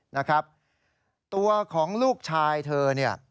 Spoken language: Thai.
นะครับตัวของลูกชายเธอเนี่ย